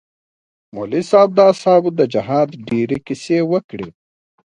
مولوي صاحب د اصحابو د جهاد ډېرې كيسې وكړې.